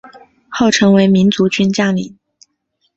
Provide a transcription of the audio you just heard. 后成为民族军将领。